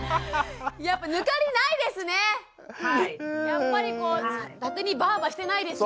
やっぱりこうだてにばぁばしてないですよ。